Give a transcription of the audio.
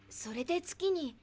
それで月に。